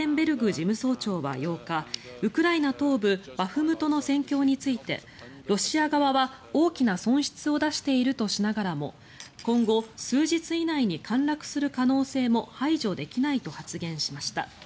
事務総長は８日ウクライナ東部バフムトの戦況についてロシア側は大きな損失を出しているとしながらも今後数日以内に陥落する可能性も排除できないと発言しました。